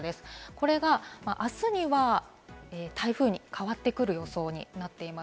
これが明日には台風に変わってくる予想になっています。